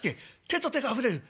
手と手が触れる」。